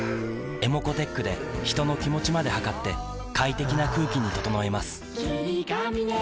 ｅｍｏｃｏーｔｅｃｈで人の気持ちまで測って快適な空気に整えます